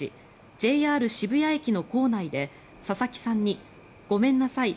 ＪＲ渋谷駅の構内で佐々木さんにごめんなさい